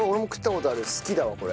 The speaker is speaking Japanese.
好きだわこれ。